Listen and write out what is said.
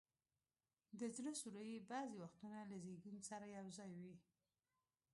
د زړه سوري بعضي وختونه له زیږون سره یو ځای وي.